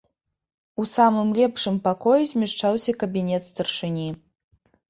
У самым лепшым пакоі змяшчаўся кабінет старшыні.